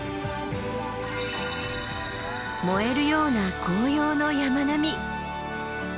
燃えるような紅葉の山並み。